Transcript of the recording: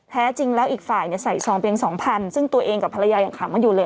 แท้จริงแล้วอีกฝ่ายใส่ซองเพียง๒๐๐ซึ่งตัวเองกับภรรยายังขำกันอยู่เลย